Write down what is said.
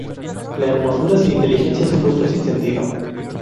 La hermosura sin inteligencia, es un busto sin sentido.